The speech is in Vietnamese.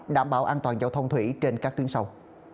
đảm bảo an toàn giao thông thủy trên các tuyến sông